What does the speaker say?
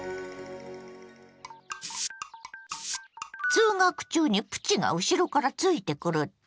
通学中にプチが後ろからついてくるって？